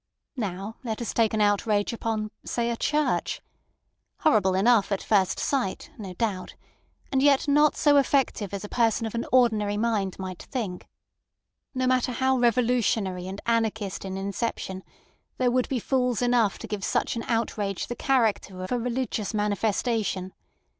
Now let us take an outrage upon—say a church. Horrible enough at first sight, no doubt, and yet not so effective as a person of an ordinary mind might think. No matter how revolutionary and anarchist in inception, there would be fools enough to give such an outrage the character of a religious manifestation.